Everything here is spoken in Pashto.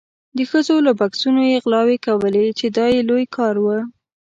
د ښځو له بکسونو یې غلاوې کولې چې دا یې لوی کار و.